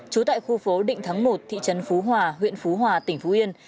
trú tại khu phố định thắng một thị trấn phú hòa huyện phú hòa tỉnh phú yên